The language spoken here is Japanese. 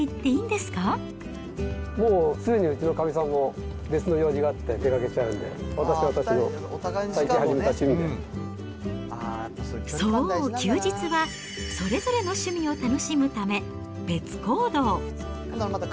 すぐにうちのかみさんも別の用事があって出かけちゃうんで、そう、休日はそれぞれの趣味を楽しむため、別行動。